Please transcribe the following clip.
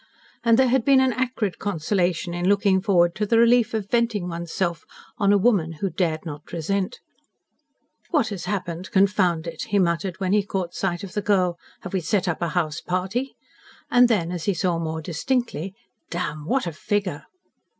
And there had been an acrid consolation in looking forward to the relief of venting one's self on a woman who dare not resent. "What has happened, confound it!" he muttered, when he caught sight of the girl. "Have we set up a house party?" And then, as he saw more distinctly, "Damn! What a figure!"